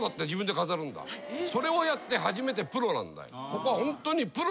それをやって初めてプロなんだよ。